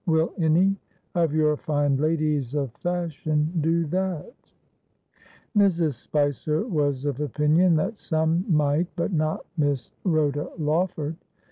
' Will any of your fine ladies of fashion do that Mrs. Spicer was of opinion that some might, but not Miss Rhoda Lawford.